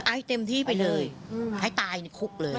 ให้เต็มที่ไปเลยให้ตายในคุกเลย